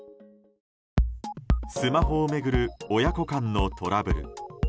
スマホを巡る親子間のトラブル。